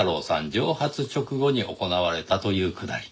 蒸発直後に行われたというくだり。